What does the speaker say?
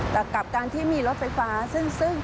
แต่กับการที่มีรถไฟฟ้าซึ่ง